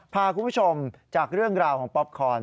พาคุณผู้ชมจากเรื่องราวของป๊อปคอน